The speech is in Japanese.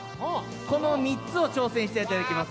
この３つを挑戦していただきます。